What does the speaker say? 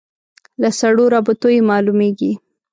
له سړو رابطو یې معلومېږي.